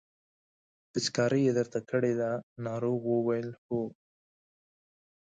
پېچکاري یې درته کړې ده ناروغ وویل هو.